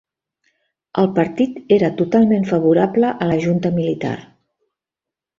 El partit era totalment favorable a la junta militar